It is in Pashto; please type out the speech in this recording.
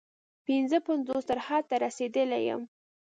پنځه پنځوس تر حد ته رسېدلی یم.